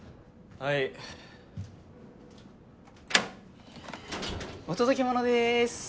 ・・はいお届け物です